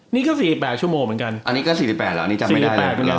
นี่ก็สี่แปดชั่วโมงเหมือนกันอันนี้ก็สี่สี่แปดแล้วอันนี้จำไม่ได้เลย